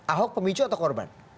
ahok pemicu atau korban